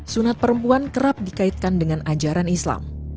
sunat perempuan kerap dikaitkan dengan ajaran islam